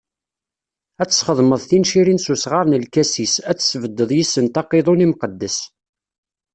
Ad txedmeḍ tincirin s usɣar n lkasis, ad tesbeddeḍ yis-sent aqiḍun imqeddes.